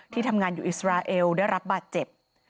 ทำงานอยู่อิสราเอลได้รับบาดเจ็บ